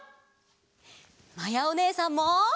まやおねえさんも。